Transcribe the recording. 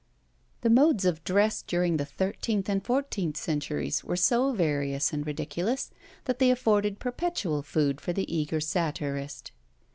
The modes of dress during the thirteenth and fourteenth centuries were so various and ridiculous, that they afforded perpetual food for the eager satirist.